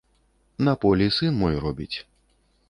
На полі сын мой робіць.